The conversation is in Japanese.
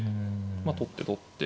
まあ取って取って。